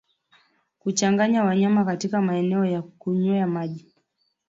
Kuchanganya wanyama katika maeneo ya kunywea maji